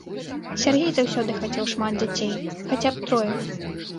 Сяргей заўсёды хацеў шмат дзяцей, хаця б трое.